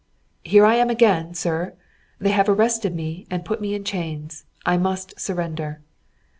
"Here I am again, sir. They have arrested me, and put me in chains. I must surrender."